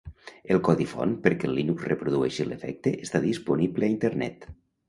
El codi font perquè el Linux reprodueixi l'efecte està disponible a Internet.